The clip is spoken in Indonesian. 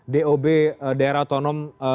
dob daerah otonom